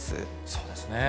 そうですね。